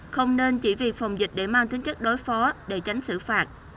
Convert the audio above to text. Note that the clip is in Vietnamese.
không nên chỉ vì phòng dịch để mang tính chất đối phó để tránh xử phạt